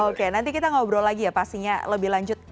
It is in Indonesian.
oke nanti kita ngobrol lagi ya pastinya lebih lanjut